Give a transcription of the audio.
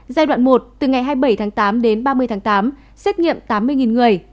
giai đoạn một từ ngày hai mươi bảy tháng tám đến ba mươi tháng tám xét nghiệm tám mươi người